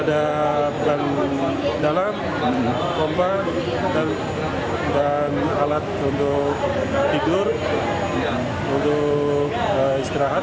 yang penting ada dalam kompa dan alat untuk tidur untuk istirahat